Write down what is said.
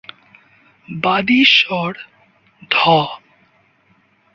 বাদী স্বর: ধ।